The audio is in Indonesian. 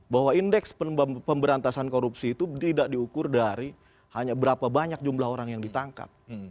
bahwa indeks pemberantasan korupsi itu tidak diukur dari hanya berapa banyak jumlah orang yang ditangkap